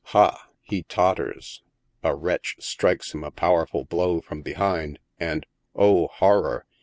Ha ! he totters ; a wretch strikes him a powerful blow from behind, and O, horror